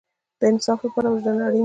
د انصاف لپاره وجدان اړین دی